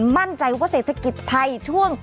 แล้วนั้นคุณก็จะได้รับเงินเข้าแอปเป๋าตังค์